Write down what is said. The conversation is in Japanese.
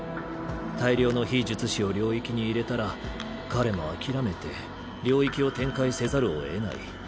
大量の非術師を領域に入れたら彼も諦めて領域を展開せざるをえない。